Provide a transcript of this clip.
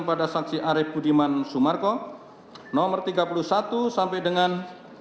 pada saksi arief budiman sumarko nomor tiga puluh satu sampai dengan empat puluh lima